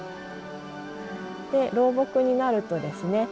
老木になるとですね